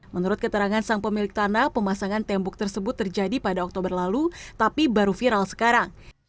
menurut keterangan sang pemilik tanah pemasangan tembok tersebut terjadi pada oktober lalu tapi baru viral sekarang